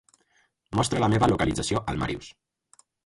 Mostra la meva localització al Màrius.